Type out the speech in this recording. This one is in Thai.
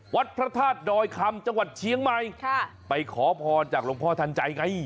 วัดพระธาตุดอยคำจังหวัดเชียงใหม่ค่ะไปขอพรจากหลวงพ่อทันใจไง